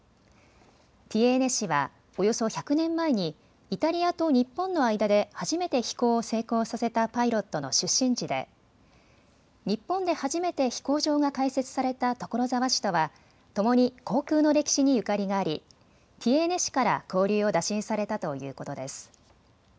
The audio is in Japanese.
ティエーネ市はおよそ１００年前にイタリアと日本の間で初めて飛行を成功させたパイロットの出身地で日本で初めて飛行場が開設された所沢市立とはともに航空の歴史にゆかりがありティエーネ市から交流を打診されたということです。